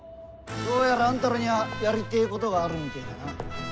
どうやらあんたらにゃやりてえことがあるみてえだな。